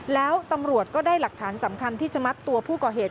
แล้วตำรวจก็ได้หลักฐานสำคัญที่จะมัดตัวผู้ก่อเหตุ